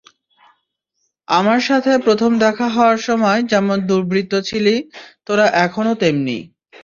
আমার সাথে প্রথম দেখা হওয়ার সময় যেমন দুর্বৃত্ত ছিলি, তোরা এখনো তেমনি।